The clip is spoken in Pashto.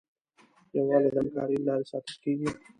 یووالی د همکارۍ له لارې ساتل کېږي.